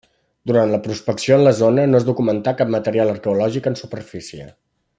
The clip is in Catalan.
Durant la prospecció en la zona no es documentà cap material arqueològic en superfície.